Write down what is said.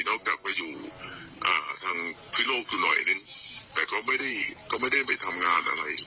แล้วกลับมาอยู่ทางทวิโรคคือไหนแต่เขาก็ไม่ได้ไปทำงานอะไร